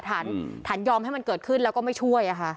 ฐานยอมให้มันเกิดขึ้นแล้วก็ไม่ช่วย